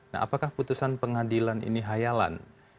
nah apakah putusan pengadilan ini hayalan